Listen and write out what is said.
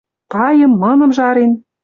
Пайым, мыным жарен